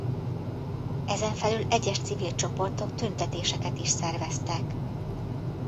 Ezen felül egyes civil csoportok tüntetéseket is szerveztek.